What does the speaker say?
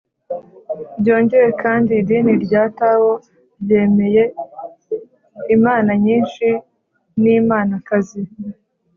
byongeye kandi, idini rya tao ryemeye imana nyinshi n’imanakazi